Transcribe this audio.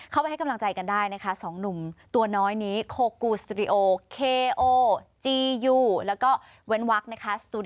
เข้าไปให้กำลังใจกันได้นะคะสองหนุ่มตัวน้อยนี้